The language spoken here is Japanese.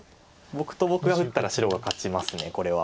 僕と僕が打ったら白が勝ちますこれは。